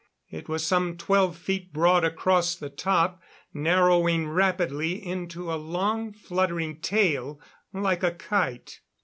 It was some twelve feet broad across the top, narrowing rapidly into a long fluttering tail like a kite.